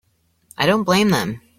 I don't blame them.